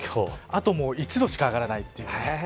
あと１度しか上がらないというね。